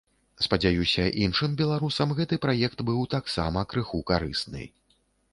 Спадзяюся, іншым беларусам гэты праект быў таксама крыху карысны.